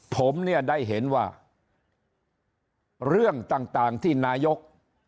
ผมเนี่ยได้เห็นว่าเรื่องต่างที่นายก